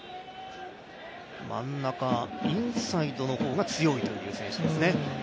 真ん中、インサイドの方が強いという選手ですね。